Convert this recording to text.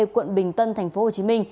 quận bình tân tp hcm